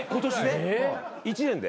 １年で？